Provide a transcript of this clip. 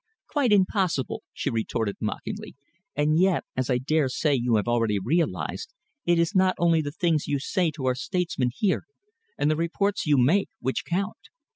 "Quite impossible," she retorted mockingly. "And yet, as I dare say you have already realised, it is not only the things you say to our statesmen here, and the reports you make, which count.